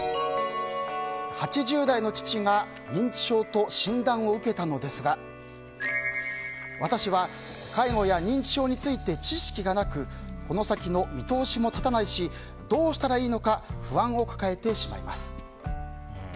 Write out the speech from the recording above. ８０代の父が認知症と診断を受けたのですが私は、介護や認知症について知識がなくこの先の見通しも立たないしどうしたらいいのか不安を抱えてしまいます。